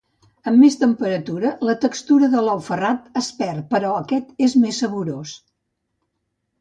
Amb més temperatura la textura de l'ou ferrat es perd però aquest és més saborós.